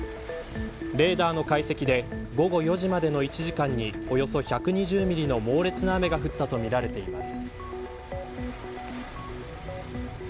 レーダーの解析で午後４時までの１時間におよそ１２０ミリの猛烈な雨が降ったとみられています。